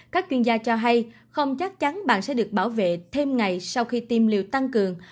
các chuyên gia cho hay không chắc chắn bạn sẽ được bảo vệ thêm ngày sau khi tiêm liều tăng cường